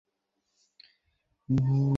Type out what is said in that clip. আমার কিন্তু একটা।